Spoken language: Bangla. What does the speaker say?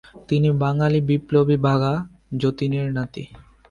তিনি বাঙালি বিপ্লবী বাঘা যতীনের নাতি।